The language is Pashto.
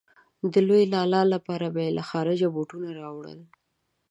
د لوی لالا لپاره به يې له خارجه بوټونه راوړل.